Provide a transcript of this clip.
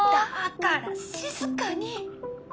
だから静かに。